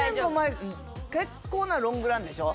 結構なロングランでしょ。